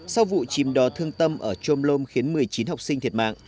sau vụ chìm đò thương tâm ở trôm lôm khiến một mươi chín học sinh thiệt mạng